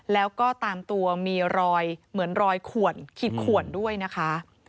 แล้วก็ตามตัวมีรอยเหมือนรอยขวนขีดขวนด้วยนะคะ